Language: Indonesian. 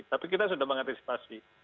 tapi kita sudah mengantisipasi